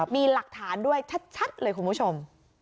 มีหลักฐานด้วยชัดเลยคุณผู้ชม